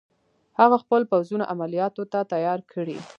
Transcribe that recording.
هغه خپل پوځونه عملیاتو ته تیار کړي.